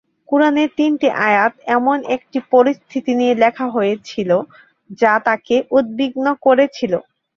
কুরআনের তিনটি আয়াত এমন একটি পরিস্থিতি নিয়ে লেখা হয়েছিল, যা তাকে উদ্বিগ্ন করেছিল।